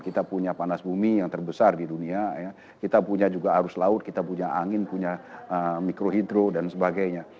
kita punya panas bumi yang terbesar di dunia kita punya juga arus laut kita punya angin punya mikrohidro dan sebagainya